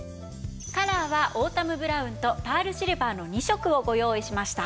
カラーはオータムブラウンとパールシルバーの２色をご用意しました。